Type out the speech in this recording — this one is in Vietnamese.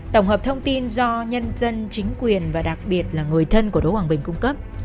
tổng hợp thông tin do nhân dân chính quyền và đặc biệt là người thân của đỗ hoàng bình cung cấp